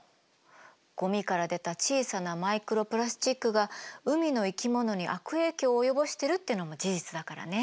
ゴミから出た小さなマイクロプラスチックが海の生き物に悪影響を及ぼしてるってのも事実だからね。